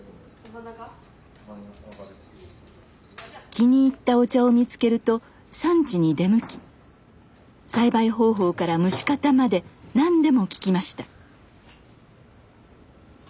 気に入ったお茶を見つけると産地に出向き栽培方法から蒸し方まで何でも聞きました